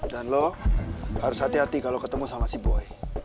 dan lo harus hati hati kalau ketemu sama si boy